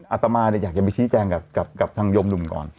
อาตมาอยากจะไปชี้แจงกับทางโยมหนุ่มก่อน